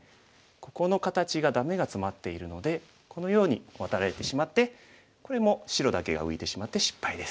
ここの形がダメがツマっているのでこのようにワタられてしまってこれも白だけが浮いてしまって失敗です。